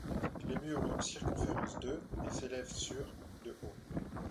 Les murs ont une circonférence de et s'élèvent sur de haut.